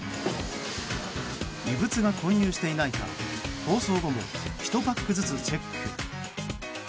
異物が混入していないか包装後も１パックずつチェック。